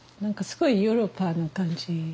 すごいヨーロッパな感じ。